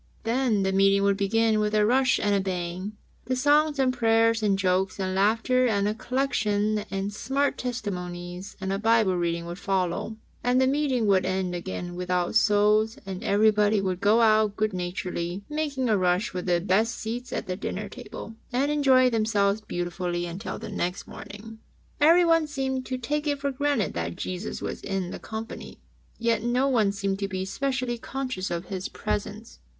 Then the meeting would begin with a rush and a bang, and songs and prayers and jokes and laughter and collection and smart testimonies and a Bible reading would follow, and the meeting would end again without souls, and every body would go out good naturedly, make a rush for the best seats at the dinner table, and enjoy themselves beautifully until the next meeting. Everyone seemed to take it for granted that Jesus was in the company, yet no one seemed to be specially conscious of His Presence.